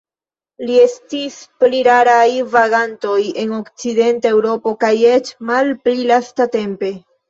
Ili estis pli raraj vagantoj en okcidenta Eŭropo, kaj eĉ malpli lastatempe.